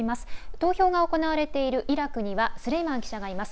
投票が行われているイラクにはスレイマン記者がいます。